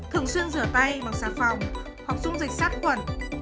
thường xuyên rửa tay bằng xà phòng hoặc dùng dịch sát quẩn